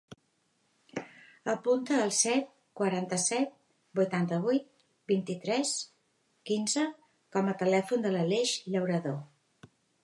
Apunta el set, quaranta-set, vuitanta-vuit, vint-i-tres, quinze com a telèfon de l'Aleix Llaurado.